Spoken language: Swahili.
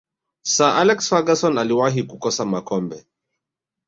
sir alex ferguson aliwahi kukosa makombe